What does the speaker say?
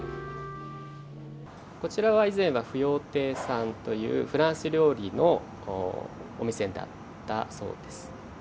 こちらは以前は芙蓉亭さんというフランス料理のお店だったそうです。